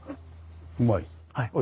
うまい？